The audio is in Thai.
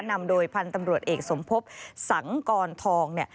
นำโดยพันธุ์ตำรวจเอกสมภพสังกอนทอง